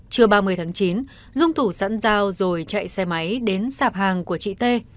trưa ba mươi tháng chín dung thủ sẵn dao rồi chạy xe máy đến sạp hàng của chị t